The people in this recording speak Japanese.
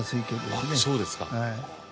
あっそうですか。